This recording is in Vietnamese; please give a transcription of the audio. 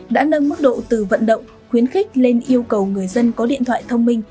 đã nâng mức độ từ vận động khuyến khích lên yêu cầu người dân có điện thoại thông minh